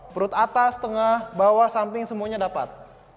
perut atas tengah bawah samping semuanya dapat